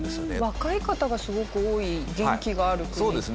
若い方がすごく多い元気がある国っていう。